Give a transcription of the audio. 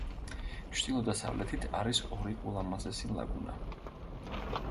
ჩრდილო-დასავლეთით არის ორი ულამაზესი ლაგუნა.